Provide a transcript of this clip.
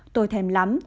tôi thèm lắm